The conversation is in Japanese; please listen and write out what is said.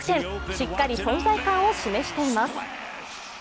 しっかり存在感を示しています。